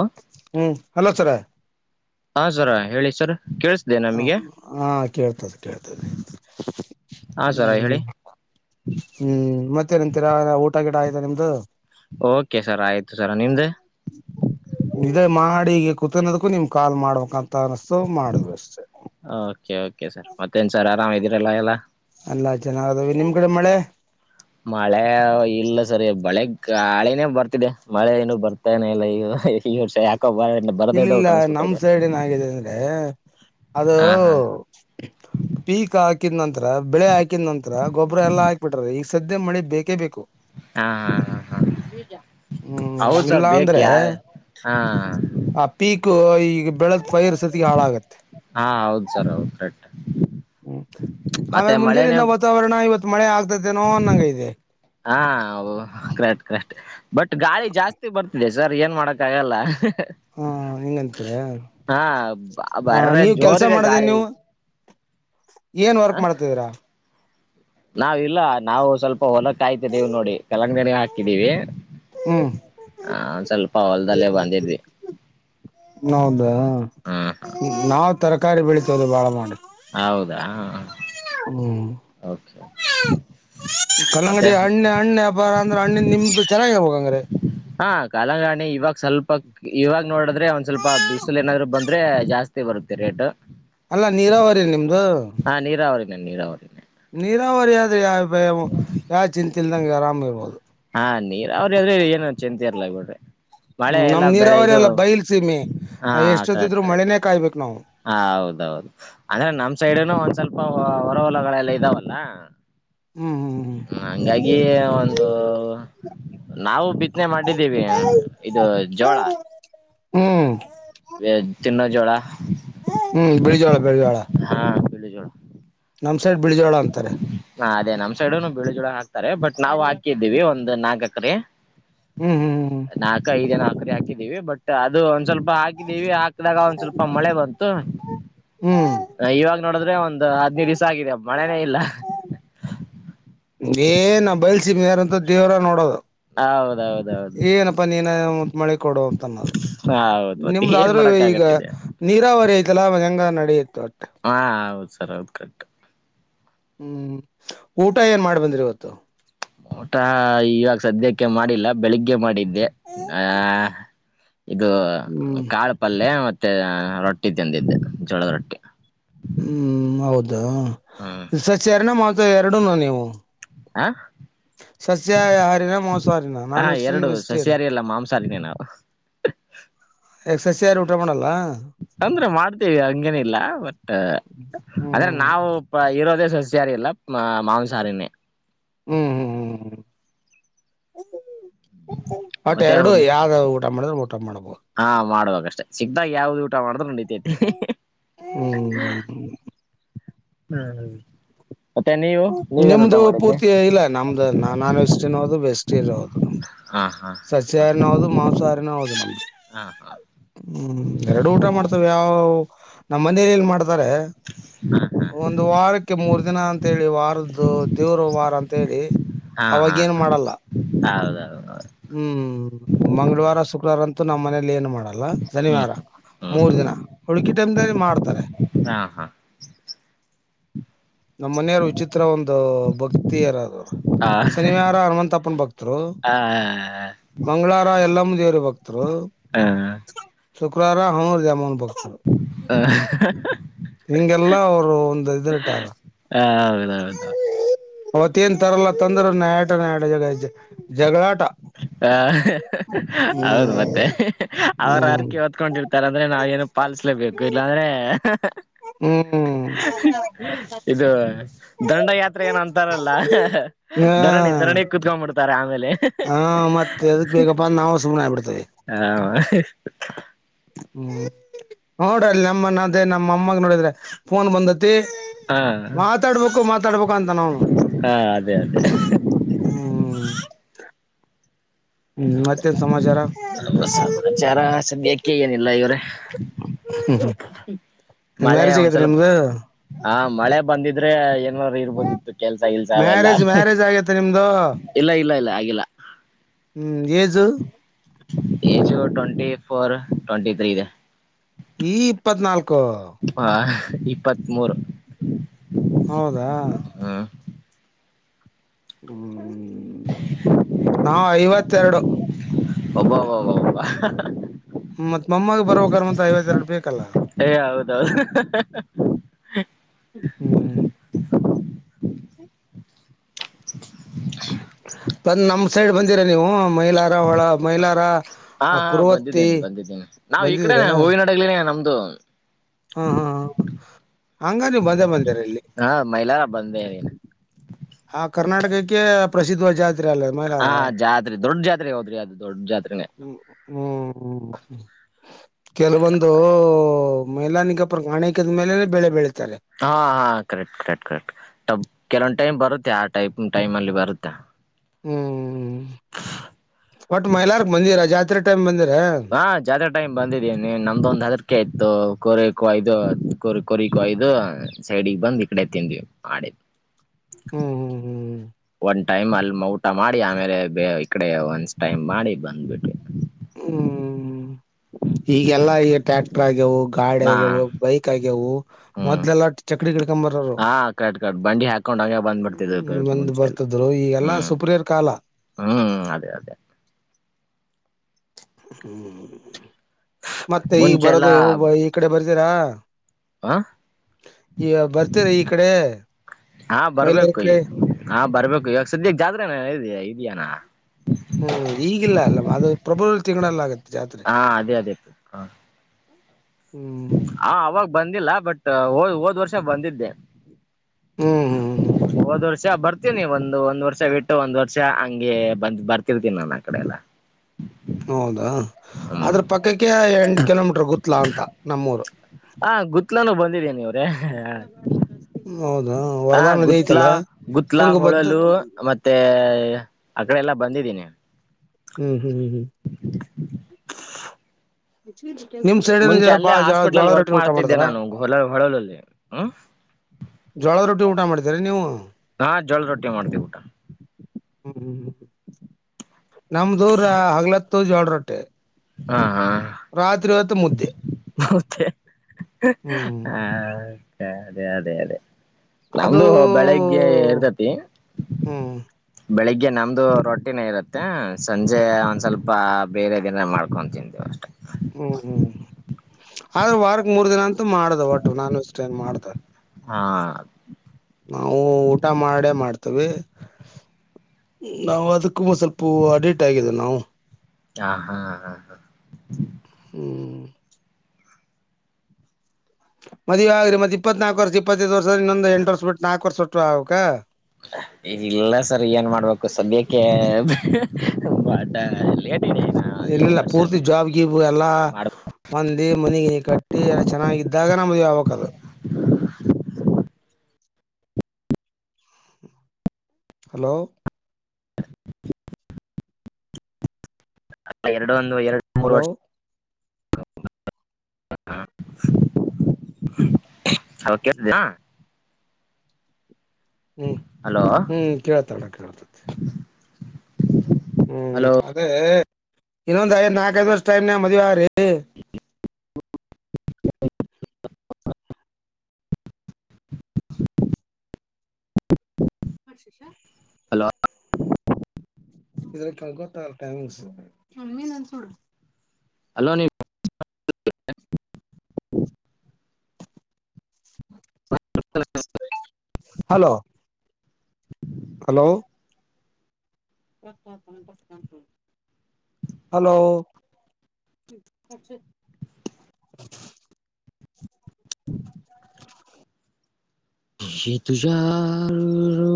Hello ಹ್ಮ್ hello sir. ಹಾ sir ಹೇಳಿ sir. ಕೇಳಿಸ್ದೆ ಹ ನಮಗೆ ಹಾ ಕೇಳ್ತದ ಕೇಳ್ತದ. ಹಾ ಹ್ಮ್ ಸರ ಹೇಳಿ ಹ್ಮ್ ಹ್ಮ್ ಮತ್ತ ಏನಂತೀರಾ ಊಟ ಗಿಟ ಆಯ್ತ ನಿಮ್ದು. ಓಕೆ ಸರ್ ಆಯ್ತು ಸರ ನಿಮ್ದು ನಿಧೆ ಮಾ [unintelligible] ಈಗ ಕುತ್ಕೊಂಡಿದ್ದಕ್ಕೂ ನಿಮ್ ಕಾಲ್ ಮಾಡಬೇಕ ಅಂತ. ಓಕೆ ಓಕೆ ಸರ್ ಮತ್ತೇನ್ ಸರ್ ಆರಾಮ್ ಇದ್ದೀರಲ್ಲ ಎಲ್ಲ. ಎಲ್ಲಾ ಚನ್ನಾಗ ಅದೇವಿ ನಿಮ್ ಕಡೆ ಮಳೆ. ಮಳೆ ಇಲ್ಲ ಸರಿ ಬಳೆ ಗಾಳೆನೇ ಬರ್ತಿದೆ ಮಳೆ ಏನು ಬರ್ತಾನ ಇಲ್ಲ ಈಗ. ಈ ಹೊರ್ಷಯಾಕ್. ಇಲ್ಲಿಲ್ಲ ನಮ ಸೈಡ್ ಏನಾಗಿದೆ ಅಂದ್ರೆ ಅದು. ಹಾ ಹಾ ಪೀಕ್ ಹಾಕಿದ ನಂತರ ಬೆಳೆ ಹಾಕಿದ ನಂತರ ಗೊಬ್ಬರ ಎಲ್ಲಾ ಹಾಕಿ ಬಿಟ್ಟಾರ ಈಗ ಸದ್ಯ ಮಳಿ ಬೇಕೇ ಬೇಕು. ಹಾ ಹಾ ಹಾ ಹಾ. ಇಲ್ಲ ಹ್ಮ್ಮ್ ಹೌದ್ ಹ್ಮ್ ಸರ್ ಇಲ್ಲಾ ಬೇಕ ಅಂದ್ರೆ ಯಾ ಹಾ ಆ. ಪೀಕು ಈಗ ಬೆಳದ ಪೈರ್ ಸತಿಗೆ ಹಾಳಾಗತ್ತೆ. ಹಾ ಹೌದು ಸರ್ ಹೌದು ಕರೆಕ್ಟ್ ಹ್ಮ್ ಮತ್ತೆ ಆಮೇಲೆ ಮುಂಜೆ ಮಳೆನೇ ದಿಂದ ವಾತಾವರಣ ಇವತ್ ಮಳೆ ಆಗ್. ಹಾ ಕರೆಕ್ಟ್ ಕರೆಕ್ಟ್ ಬಟ್. ಗಾಳಿ ಜಾಸ್ತಿ ಬರ್ತಿದೆ ಸರ್ ಏನ್ ಮಾಡಕ್ಕ ಆಗಲ್ಲ. ಹ್ಮ. ಹ ಹಿಂಗಂತೀರ ಹಾ ಆ ಬರ್ರ ನೀವ್ ಕೆಲ್ಸ ಜೋರಿದೆ ಮಾಡದ ಏನ ಗಾಳಿ ನೀವು. ಏನ್ ವರ್ಕ್ ಮಾಡ್ತಿದೀರಾ. ನಾವ ಇಲ್ಲ ನಾವು ಸ್ವಲ್ಪ ಹೊಲ ಕಾಯ್ತ ದೇವ ನೋಡಿ ಕಲಂಗಡಿ ದಣ ಹಾಕಿದೀವಿ. ಹ್ಮ್ ಹ ಸ್ವಲ್ಪ ಹೊಲ್ದಲ್ಲೇ ಬಂದಿದ್ವಿ. ನೌದ ಹ್ಮ್ ಹ್ಮ್ ನಾವ ತರಕಾರಿ ಬೆಳಿತಿದ್ದೀವಿ ಬಾಳ ಮಾಡಿ. ಹೌದಾ. ಹ್ಮ್. Okay okay. ಕಲ್ಲಂಗಡಿ ಹಣ್ಣ ಹಣ್ಣ ವ್ಯಾಪಾರ ಅಂದ್ರೆ ಹಣ್ಣಿನ ನಿಮ್ದು ಚೆನ್ನಾಗ ಇದವ ಹಂಗಾದ್ರೆ. ಹಾ ಕಾಲಂಗಾಣಿ ಇವಾಗ ಸ್ವಲ್ಪ ಇವಾಗ ನೋಡಿದ್ರೆ ಒಂದ್ ಸ್ವಲ್ಪ ಬಿಸಿಲು ಏನಾದ್ರು ಬಂದ್ರೆ ಜಾಸ್ತಿ. ಬರುತ್ತೆ ರೇಟ್. ಅಲ್ಲಾ ನೀರಾವರಿ ನಿಮ್ದು. ನನ್ ನೀರಾವರಿ. ನೀರಾವರಿ ಆದ್ರೆ ಯಾವ ಯಾವ ಚಿಂತ ಇಲ್ದಂಗೆ ಆರಾಮ ಇರ್ಬೋದು. ಹಾ ನೀರ್ ಅವ್ರದ್ರೆ ಏನ ಚಿಂತರ್ಲ ಆಗ್ಬ ಬಿಡ್ರಿ ಮಳೆ ಹ್ಮ್ ನಮ್ ಎಲ್ಲಾ ಬೆಳೆ ನೀರಾವರಿ ಇದು ಎಲ್ಲ ಬೈಲ್ಸಮಿ ಹಾ ನಾ ಕರೆಕ್ಟ್ ಎಷ್ಟೊತ್ತಿದ್ರು ಕರೆಕ್ಟ್ ಮಳೆನೇ ಕರೆಕ್ಟ್ ಕಾಯ್ಬೇಕಕ್ ನಾವು ಹ ಹೌದೌದು ಅಂದ್ರೆ ನಮ್ ಸೈಡ್ನು ಒಂದ್ ಸ್ವಲ್ಪ. ಹೊರವಲಗಳೆಲ್ಲ ಇದಾವಲ್ಲ ಹ್ಮ್ ಹ್ಮ್ ಹಂಗಾಗಿ ಒಂದ. ನಾವು ಬಿತ್ತನೆ ಮಾಡಿದ್ದೀವಿ ಇದು ಜೋಳ. ಹ್ಮ್ ಹ್ಮ್ ವೆ ತಿನ್ನೋ ಜೋಳ. ಹ್ಮ್ ಬಿಳಿಜೋಳ ಬಿಳಿಜೋಳ ಹಾ ಬಳಿ ಜೋಳ. ಕೇಳ ಅಂತಾರೆ. ಹಾ ಅದೇ ನಮ ಸೈಡ್ನು ಬಿಳಿ ಜೋಳ ಹಾಕ್ತಾರೆ ಬಟ್ ನಾವು ಹಾಕಿದ್ದೀವಿ ಒಂದ್ ನಾಕ್ ಎಕರೆ. ಹ್ಮ್ ಹ್ಮ್ ಹ್ಮ್ ನಾಲ್ಕ ಐದ ಏನೋ. ಸಕ್ರ ಹಾಕಿದೀವಿ ಬಟ್ ಅದು ಒಂದ್ ಸ್ವಲ್ಪ ಹಾಕಿದ್ದೀವಿ ಹಾಕಿದಾಗ ಒಂದ್ ಸ್ವಲ್ಪ ಮಳೆ ಬಂತು. ಹ್ಮ್ ಹ್ಮ್ ಹ ಇವಾಗ ನೋಡಿದ್ರೆ ಒಂದ್ ಹದ್ನೈದು ದಿವ್ ಆಗಿದೆ ಅಬ್ಬ ಮಳೆನೇ ಇಲ್ಲ ನೀ ನ ಬಯಲ್ಸ ಮ ಯಾರಂತ ದೇವ್ರ ನೋಡೋದು ಹೌದೌದೌದು ಏನಪ್ಪಾ ನೀನ ಮ ಮಳೆ ಕೊಡುುವ ಅಂತ ಅನ್ನೋದು ಹೌದು ಮತ್ತೆ ಏನ್ ನಿಮ್ದಾದ್ರೂ ಮಾಡಕ್ ಈಗ ಆಗತ್ತಿದೆ ನೀರಾವರಿ ಆಐ್ತಲ್ಲ ಮ ಹೆಂಗ ನಡತ್ತು ಅ ಹಾ ಹೌದು ಸರ್ ಹೌದು ಕಟ್ಟು ಹ್ಮ್ ಊಟ ಏನ್ ಮಾಡ್ಬಂದ್ರಿ ಇವತ್ತು ಊಟ ಇವಾಗ ಸದ್ಯಕ್ಕೆ ಮಾಡಿಲ್ಲ ಬೆಳಿಗ್ಗೆ ಮಾಡಿದ್ದ ದೆ ಆ ಇದು ಹ್ಮ್ ಕಾಳು ಪಲ್ೆ ಮ ಮತ್ತೆ ರೊಟ್ಟಿ ತಿಂದಿದ್ದು ಜೋಳದ ರೊಟ್ಟಿ ಹ್ಮ್ ಹೌದಾ ಹ್ಮ್ ಸಚರ್ನ ಮತ್ತು ಎರಡುನು ನೀವು ಹಾ [unintelligible] ಸಸ್ಯಹಾರಣ ಮೋಸಹಾರಿಿನ ಹಾ ನಾನ್ ವೆಜ್ಟೇನ್ ಎರಡು ವೆಜಿೇರಿನ್ ಸಸ್ಯಾಹಾರಿ ಅಲ್ಲ ಮಾಂಸಾಹಾರಿನೇ ನಾವು ಎಕ್ಸರ್ಸೈಸ್ ಯಾರು ಊಟ ಮಾಡಲ್ಲ ಅಂದ್ರೆ ಮಾಡ್ತೇವಿ ಹಂಗೇನಿಲ್ಲ ಬಟ್ ಅದ್ರೆ ಹ್ಮ್ ನಾವು ಇರೋದೇ ಸಜಾರಿ ಎಲ್ಲ ಮಾಂಸಾರನೇ ಹ ಹೊಟ್ ಮತ್ತೆ ಎರಡು ಹುನ್- ಯಾವ್ದಾವ ಊಟ ಮಾಡಿದ್ರರು ಊಟ ಮಾಡ್ಬೋದು ಸಿಗ್ದ ಯಾವ್ದ್ ಊಟ ಮಾಡಿದ್ರ ನೋಡತಿತಿ ಹ್ಮ್ ಹ್ಮ ಹ್ಮ ನಿಮ್ದು ಪೂರ್ತಿ ಇಲ್ಲ ನಮ್ದು ನಾನ್ ವೆಜ್ಟನ್ ಹೌದು ವೆಜಟೇನ್ ಹೌದು ನಮ್ದು ಹಾ ಹಾ ಸಸ್ಯಹಾರನ ಹೌದು ಮಾಂಸಹಾರನ ಹೌದು ಹಾ ಹಾ ಹ್ಮ್ ಎರಡು ಊಟ ಮಾಡ್ತವ ಯಾವ ನಮ್ಮ್ ಮನಲಿ ಏನ್ ಮಾಡ್ತಾರೆ ಒಂದು ವಾರಕ್ಕೆ ಮೂರ್ ದಿನ ಅಂತ ಅಂತೇಳಿ ವಾರದ್ದು ದೇವ್ರು ವಾರ ಅಂತ ಹೇಳೇಳಿ ಹಾ ಅವಾಗ ಹಾ ಏನ್ ಮಾಡಲ್ಲ ಹೌದೌದು ಹೌದು ಹ್ಮ್ ಮಂಗಳವಾರ ಶುಕ್ರವಾರ ಅಂತೂ ನಮ್ಮ್ ಮನೇಲಿ ಏನ್ ಮಾಡ ಮಾಡಲ್ಲ ಹ್ಮ್ ಶನಿವಾರ ಹ್ಮ್ ಮೂರ್ ದಿನ ಹುಡುಕಿ ಟೈಮಲ್ಲಿ ಮಾಡ್ತಾರೆ ಹಾ ಹಾ ನಮ್ಮ್ ಮನೆಯಾರ ವಿಚಿತ್ರ ಒಂದು ಭಕ್ತಿಯಾರದರು ಆ ಶನಿವಾರ ಹನುಮಂತಪ್ಪನ ಭಕ್ತರು ಆ ಮಂಗಳವಾರ ಎಲ್ಲ ಮುಂದೇರು ಭಕ್ತರು ಹ ಶುಕ್ರವಾರ ಹ ದಮನ್ ಬಕ್ತ ಹ ಹಿಂಗೆಲ್ಲ ಅವರು ಒಂದ್ ಹಐದಿನೆಂಟಾರ ಹ ಹೌದೌದ [unintelligible] ಅವತ್ತ ಏನ್ ತರಲ್ಲ ತಂದ್ರ ನಯ ಆಟ ನಯಾಟ ಜ ಜಗಳಾಟ ಹ ಹೌದು ಮತ್ತೆ ಹ್ಮ್ ಅವರು ಹ್ಮ್ ಅರ್ಕೆ ತ್ಕೊಂಡಿರ್ತಾರೆ ಅಂದ್ರೆ ನಾವು ಏನು ಪಾಲಿಸಲೇಬೇಕು ಇಲ್ಲಾಂದ್ರೆ ಹ್ಮ್ ಇದು ದಂಡಯಾತ್ರೆ ಏನ ಅಂತಾರಲ್ಲ ಹಾ ದಂಡ ನಿ ಇದರನೇ ಕುತ್ಕೊಂಡ್ಂಬಿತಾರೆ ಆಮೇಲೆ ಹಾ ಮತ್ತೆ ಎದಕ್ ಬೇಕಪ್ಪಾ ನಾವು ಸುಮನೆ ಆಬಿಡ್ತೇವಿ ಹ ಹ್ಮ್ ನೋಡಲ್ಲಿ ನಮ್ಮ ಅದೇ ನಮ್ಮ ಅಮ್ಮಾಗ ನೋಡಿದ್ರೆ ಫೋನ್ ಬಂದ ಮ ಹಾ ಮಾತಾಡ್ಬೇಕು ಮಾತಾಡ್ಬೇಕು ಅಂತ ನನು ಅದೇ ಅದೇ ಹ್ಮ್ ಹ್ಮ್ ಮತ್ತೇನ್ ಸಮಾಚಾರ ನಮ್ಮ ಸಮಾಚಾರ ಸ ಕ್ಕೆ ಏನಿಲ್ಲ ಇವರೆ ಹ ಮ್ಯಾರೇಜ್ ಆಗೈತ್ರಿ ಸ್ವಲ್ಪ ನಿಮ್ದ ಹ ಮಳೆ ಬಂದಿದ್ರೆ ಹು ರಿ ಇರ್ಬೇಕಿತ್ತು ಕೆಲ್ಸ ಗಿಲ್ಸ ಅವೆಲ್ಲ ಮ್ಯಾರೇಜ್ ಮ್ಯಾರೇಜ್ ಆಗೈತೆ ನಿಮ್ದು ಇಲ್ಲ ಇಲ್ಲ ಇಲ್ಲ ಆಗಿಲ್ಲ ಹು age age twenty four twenty three ಇದೆ ಈ ಇಪ್ಪತ್ನಾಲ್ಕ ಪ್ಚ್ ಹ್ಹ ಇಪ್ಪತ್ತ್ ಮೂೂರು ಹೌದಾ ಹು ನಾವು ಐವತ್ತೆರಡು ಅಬ್ಬಾಬ್ಬಾ ಬ್ಬಾ ಹ್ಹ ಮತ್ ಮೊಮ್ಮಗ್ ಬರ್ಬೇಕಾರ ಮತ್ ಐವತ್ತೆರಡು ಬೇಕಲ್ಲ ಹಕ್ ಎ ಹೌದು ಹೌದು ಹಹ್ಹ್ ಹ ಹು ಪ್ಚ್ ಹಕು ಬಂದ್ ನಮ್ಮ ಸೈಡ್ ಬಂದಿರಾ ನೀವು ಮೈಲಾರಾ ಹೊಳಾ ಮೈಲಾರಾ ಹಾ ಆ ಹಾ ಕುರುವತ್ತಿ ಬಂದಿದ್ದೇನೆ ಬಂದಿದ್ದೇನೆ ನಾವ್ ಈ ಕಡೆನೆ ಬಂದಿದೀರೆನ ಹೂವಿನಡಗ್ಲಿನೇ ನಮ್ದು ಹ ಹ ಹ ಹಂಗಾರ ನೀವು ಬಂದೆ ಬಂದಿರಿ ಇಲ್ಲಿ ಹಾ ಮೈಲಾರ ಬಂದೇ ಇದೀನಿ ಹಾ ಕರ್ನಾಟಕಕ್ಕೆ ಪ್ರಸಿದ್ಧ ವಾದ ಜಾತಿ ಹಾ ಜಾತ್ರಿ ದೊಡ್ಡ ಜಾತ್ರಿ ಹೋದ್ರಿ ಅದು ದೊಡ್ಡ ಜಾತ್ರಿ ಹು ಹು ಹು ಕೆಲವೊಂದು ಮೇಲಾನಿಕ ಪ್ರಾನೇಕದಮೇಲೆ ಬೆಳೆ ಬೆಳೆ ಹಾ ಹಾ ಕರೆಕ್ಟ್ ಕರೆಕ್ಟ್ ಕರೆಕ್ಟ್ ತಮ್ ಕೆಲೊಂದು ಟೈಮ್ ಬರುತ್ತೆ ಆ ಟೈಪ್ ಟೈಮ್ ಅಲ್ಲಿ ಬರುತ್ತೆ ಹು ಹು ಒಟ್ ಮೈಲಾರ್ಕ್ ಬಂದಿರಾ ಜಾತ್ರಿ ಟೈಮ್ ಬಂದಿರಾ ಹಾ ಜಾತ್ರೆ ಟೈಮ್ ಬಂದಿದೀನೆ ನಮ್ಮದು ಒಂದ ಅದರಕೆ ಇತ್ತು ಕೋರಿಕೋ ಇದು ಕುರಿ ಕುರಿಕೋಯ್ದ ಸೈಡಿಗೆ ಬಂದ್ ಈ ಕಡೆ ತಿಂದ್ವಿ ಮಾಡಿ ಪ್ಚ್ ಹ್ಮ್ ಹ್ಮ್ ಒನ್ ಟೈಮ್ ಅಲ್ಲಿ ಊಟ ಮಾಡಿ ಆಮೇಲೆ ಈ ಕಡೆ ಒನ್ಸ ಟೈಮ್ ಮಾಡಿ ಬಂದ್ಬಿಟ್ವಿ ಹು ಈಗೆಲ್ಲಾ ಈಗ ಟ್ಯಾಕ್ಟರ್ ಆಗ್ಯಾವು ಗಾಡಿ ಹಾ ಆಗ್ಯವು ಬೈಕ್ ಆಗ್ಯಾವು ಹ್ಮ್ ಮೊದ್ಲೆಲ್ಲ ಚಕ್ಕಡಿ ಕಡ್ಕೊಂಬರರು ಹಾ ಕರೆಕ್ಟ್ ಕರೆಕ್ಟ್ ಬಂಡಿ ಹಾಕೊಂಡ್ ಹಂಗೆ ಹು ಬಂದ್ಬಿಡ್ತಿದ್ವಿ ಒಂದ್ ಮುಂಚೆ ಬರ್ತದ್ರು ಈಗೆಲ್ಲಾ ಸುಪ್ರಿಯರ್ ಕಾಲ ಹು ಅದೇ ಅದೇ ಹು ಹು ಮತ್ತೆ ಈಗ ಮುಂಚೆ ಬರೋದುವು ಈ ಕಡೆ ಬರ್ತೀರಾ ಆ ಪ್ಚ್ ಯ ಬರ್ತೀರ ಈ ಕಡೆ ಹಾ ಮೈಲಾರ ಬರ್ಬೇಕು ಕಡೆ ಇಗ ಹಾ ಬರ್ಬೇಕು ಇಸತಿ ಸದ್ಯಕ್ಕೆ ಜಾತ್ರೆನಾ ಇದ್ಯಾಯ ಅಣ್ಣಾ ಹು ಈಗಿಲ್ಲ ಅಲ್ಲ ಅದು ಫೇಬ್ರುವರಿ ತಿಂಗಳಲ್ಲ ಆಗುತ್ತೆ ಹಾ ಅದೇ ಅದೇ ಹಾ ಹ್ಮ್ ಹಾ ಅವಾಗ ಬಂದಿಲ್ಲ ಬಟ್ ಹೋದ ಹೋದ್ ವರ್ಷ ಬಂದಿದ್ದೆ ಹು ಹು ಹು ಹು ಹು ಸ ಬರ್ತೀನಿ ಒಂದು ಒಂದ್ ವರ್ಷ ಬಿಟ್ಟು ಒಂದ್ ವರ್ಷ ಹಂಗೆ ಬಂದ್ ಬರ್ತಿವಿ ನಾ ಆ ಕಡೆ ಎಲ್ಲ ಹಕು ಹೌದಾ ಹ ಹ್ಮ್ ಅದ್ರ ಪಕ್ಕಕ್ಕೆ ಎಂಟ ಕಿಲೋಮೀಟರ್ ಗೊತ್ಲಾ ಅಂತ ನಮ್ಮೂರು ಹಾ ಗೂತ್ಲಾನು ಬಂದಿದೆನಿವ ಹೌದಾ ಹಾ ವರದಾನ ನದಿ ಗತ್ಲಾ ಐತಲ್ಲ ಗತ್ಲಾ ತುಂಗಭದ್ರ ಹೊಳಲು ಮತ್ತೆ ಅಕಡೆ ಎಲ್ಲಾ ಬಂದಿನಿ ಹು ಹು ಹು ಮಚಲಿ ಮೇ ನಿಮ್ಮ ಸೈಡಿದಾಗ ಮುಂಚೆ ಅಲ್ಲೇ ಬಾಳ ಹಾಸ್ಪಿಟ್ಲಲ್ಲಿ ಜೋಳದ ವರ್ಕ್ ರೊಟ್ಟಿ ಊಟ ಮಾಡ್ತಿದ್ದೆ ಮಾಡತಾರಾ ನಾನು ಹೊಲ ಹೊಳಲಲ್ಲಿ ಹ್ಮ್ ಜೋಳದ ರೊಟ್ಟಿ ಊಟ ಮಾಡ್ತೀರೆನ್ ನೀವು ಹು ಹಾ ಜೋಳದ ರೊಟ್ಟಿ ಮಾಡ್ತೀವಿ ಊಟ ಹು ಹು ಹು ನಮ್ದೂರ ಹಗ್ಲತ್ತು ಜೋಳ ರೊಟ್ಟೆ ಹಾ ಹಾ ಆ ಹತ್ತು ಮುದ್ದೆ ಮುದ್ದೆ ಹ್ಮ್ ಹ ಅದು ನಮ್ದು ಬೆಳಿಗ್ಗೆ ಇರ್ತತಿ ಹ್ಮ್ ಬೆಳಗ್ಗೆ ಗೆ ನಮ್ದು ರೊಟ್ಟಿನೇ ಇರುತ್ತೆ ಸಂಜೆ ಒಂದ್ ಸ್ವಲ್ಪ ಬೇರೆದೇನ ಮಾಡ್ಕೊತಿಂತೇವ ಅಷ್ಟೆ ಹ್ಮ್ ಹ್ಮ್ ಆದ್ರೆ ವಾರಕ್ ಮೂರ್ ದಿನ ಅಂತೂ ಮಾಡ್ದ ಒಟ್ಟು ನಾನ್ ವೆಗೆಟೀರಿಯನ್ ಮಾಡ್ದ ಹಾ ನಾವು ಊಟ ಮಾಡೇ ಮಾಡ್ತಿವಿ ನಾವು ಅದಕ್ಕು ಸ್ವಲ್ಪ ಅಡಿಟ್ ಆಗಿದೆ ನಾವು ಹಾ ಹಾ ಹಾ ಹಾ ಹ್ಮ್ ಮದುವೆ ಆದ್ರೆ ಮತ್ತೆ ಇಪ್ಪತ್ನಾಲ್ಕ್ ವರ್ಷ ಇಪ್ಪತ್ತೈದು ವರ್ಷದ ಇನ್ನೊಂದು ಎಂಟ ವರ್ಷ ಬಿಟ್ಟ ನಾಕ್ ವರ್ಷ ಬಿಟ್ಟ ಆಗ್ಬೇಕಾ ಇಲ್ಲ ಸರ್ ಏನ್ ಮಾಡ್ಬೇಕು ಸದ್ಯಕ್ಕೆ ಪಾಟ ಇಲ್ಲ ಪೂರ್ತಿ ಜಾಬ್ ಗಿಬ್ ಎಲ್ಲಾ ಮಾಡ ಒಂದ ಮನೆ ಗಿನಿ ಕಟ್ಟಿ ಎಲ್ಲ ಚೆನ್ನಾಗಿದ್ದಾಗಾನ ಮದ್ವೆ ಆಗಬೇಕ್ ಅದು ಹಲೋ ಎರಡ ಒಂದು ಎರಡು ಮೂರು ಹಲೋ ವರ್ಷ ಹ [inaudible] ಹಲೋ ಕೇಳ್ಸ್ತಾದೀಯ ಹ್ಮ್ ಹಲೋ ಹ್ಮ್ ಕೇಳುತ್ ಅಣ್ಣ ಕೇಳ್ತಾತಿ ಹ್ಮ್ ಹಲೋ ಅದೇ ಇನ್ನೊಂದು ಐದು ನಾಕೈಐದು ವರ್ಷ ಟೈಮನಾಗ್ ಮದ್ವೆ ಅಗ್ರಿ ಸಷ [unintelligible] ಹಲೋ ಇದ್ರ ಕಳ್ಕೊತಟೈಂಗ್ [unintelligible] ಹಲೋ ನೀವ್ ಹಲೋ ಹಲೋ ಪ್ರತ್ಯಪ ಪಷ್ಟಕ [unintelligible] ಹಲೋ ಏ ತುಜರೂ